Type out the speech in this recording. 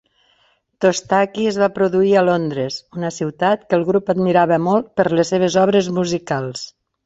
"Tostaky" es va produir a Londres, una ciutat que el grup admirava molt per les seves obres musicals.